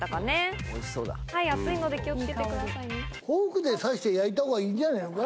フォークで刺して焼いたほうがいいんじゃねえのか？